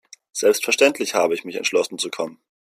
Selbstverständlich habe ich mich entschlossen zu kommen.